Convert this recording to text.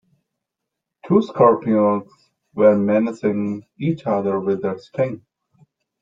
Two scorpions were menacing each other with their stings.